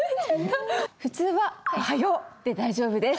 普通は「おはよう」で大丈夫です。